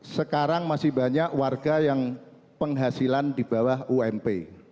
sekarang masih banyak warga yang penghasilan di bawah ump